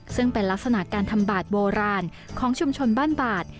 ซึ่งเป็นลักษณะการทำบาดโบราณของชุมชนบ้านบาด